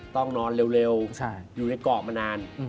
ต้องนอนเร็วอยู่ในเกาะมานาน